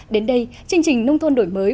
đến đây chương trình nông thôn đổi mới